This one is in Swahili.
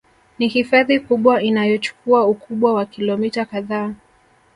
Ni hifadhi kubwa Inayochukua Ukubwa wa kilomita kadhaa